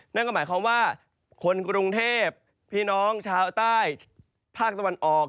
นั่นก็หมายความว่าคนกรุงเทพพี่น้องชาวใต้ภาคตะวันออก